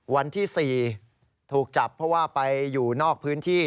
วันที่๔ถูกจับเพราะว่าไปอยู่นอกพื้นที่